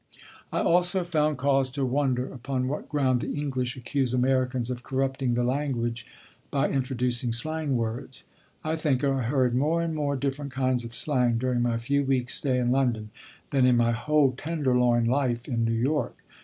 I also found cause to wonder upon what ground the English accuse Americans of corrupting the language by introducing slang words. I think I heard more and more different kinds of slang during my few weeks' stay in London than in my whole "tenderloin" life in New York.